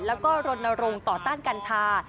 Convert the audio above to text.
แล้วก็รณรงค์ต่อต้านกัญชา